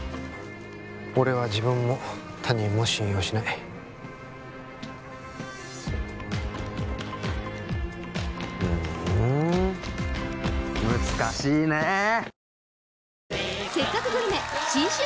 俺は自分も他人も信用しないふん難しいねえ